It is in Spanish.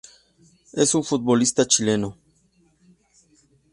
Es un futbolista chileno.